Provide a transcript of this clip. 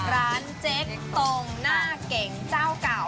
เจ๊กตรงหน้าเก๋งเจ้าเก่า